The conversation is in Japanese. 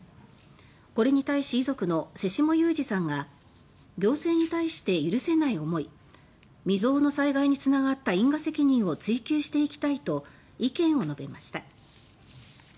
これに対し遺族の瀬下雄史さんが「行政に対して許せない思い。未曽有の災害に繋がった因果責任を追及していきたい」と意見を述べました。